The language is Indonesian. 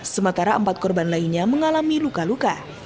sementara empat korban lainnya mengalami luka luka